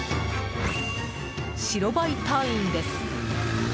白バイ隊員です。